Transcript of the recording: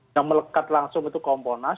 yang melekat langsung itu komponas